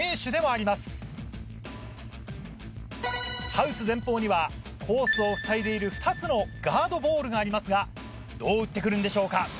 ハウス前方にはコースをふさいでいる２つのガードボールがありますがどう打って来るんでしょうか。